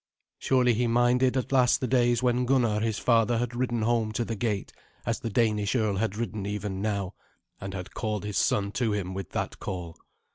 Surely he minded at last the days when Gunnar his father had ridden home to the gate, as the Danish earl had ridden even now, and had called his son to him with that call.